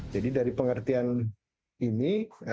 jadi dari pengertian ini